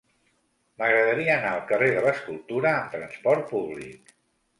M'agradaria anar al carrer de l'Escultura amb trasport públic.